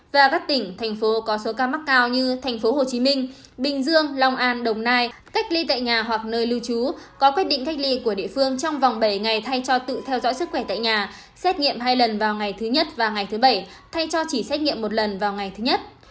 và các tỉnh thành phố có số ca mắc cao như tp hcm bình dương long an đồng nai cách ly tại nhà hoặc nơi lưu trú có quyết định cách ly của địa phương trong vòng bảy ngày thay cho tự theo dõi sức khỏe tại nhà xét nghiệm hai lần vào ngày thứ nhất và ngày thứ bảy thay cho chỉ xét nghiệm một lần vào ngày thứ nhất